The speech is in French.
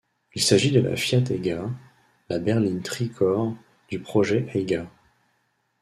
Il s'agit de la Fiat Egea, la berline tri-corps du projet Ægea.